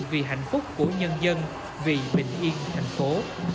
vì hạnh phúc của nhân dân vì bình yên của thành phố